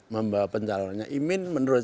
membawa pencalonannya imin menurut